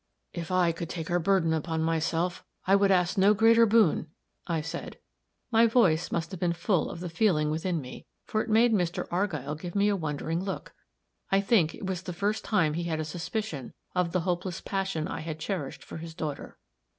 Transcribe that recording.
"If I could take her burden upon myself, I would ask no greater boon," I said. My voice must have been very full of the feeling within me, for it made Mr. Argyll give me a wondering look; I think it was the first time he had a suspicion of the hopeless passion I had cherished for his daughter.